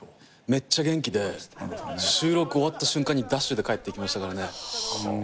めっちゃ元気で収録終わった瞬間にダッシュで帰っていきましたからね。